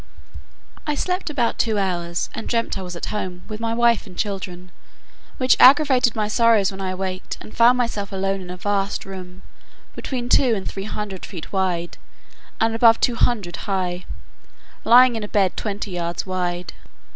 I slept about two hours, and dreamt I was at home with my wife and children, which aggravated my sorrows when I awaked, and found myself alone in a vast room, between two and three hundred feet wide, and above two hundred high, lying in a bed twenty yards wide.